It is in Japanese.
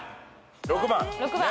６番。